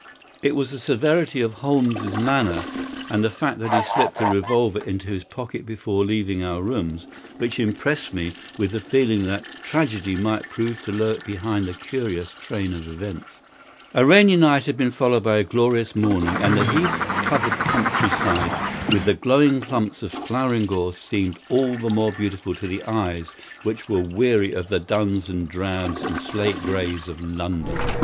It was the severity of Holmes's manner and the fact that he slipped a revolver into his pocket before leaving our rooms which impressed me with the feeling that tragedy might prove to lurk behind this curious train of events. A rainy night had been followed by a glorious morning, and the heath covered country side with the glowing clumps of flowering gorse seemed all the more beautiful to eyes which were weary of the duns and drabs and slate greys of London.